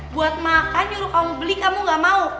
buat makan nyuruh kamu beli kamu gak mau